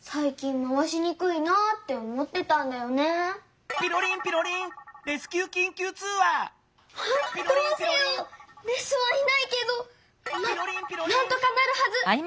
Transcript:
まあなんとかなるはず。